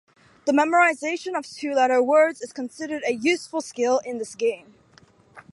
The memorization of two-letter words is considered a useful skill in this game.